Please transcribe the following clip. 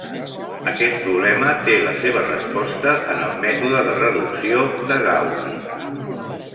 Aquest problema té la seva resposta en el mètode de reducció de Gauss.